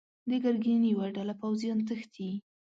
د ګرګين يوه ډله پوځيان تښتي.